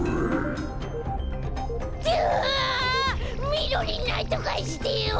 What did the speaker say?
みろりんなんとかしてよ！